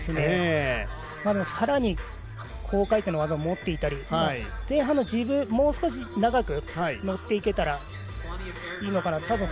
でもさらに高回転の技を持っていたり、前半のジブもう少し長く乗っていけたらいいのかなと。